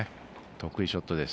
得意ショットです。